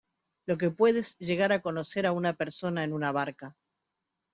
lo que puedes llegar a conocer a una persona en una barca